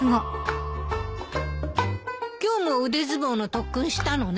今日も腕相撲の特訓したのね。